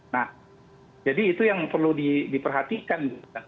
nah jadi itu yang perlu diperhatikan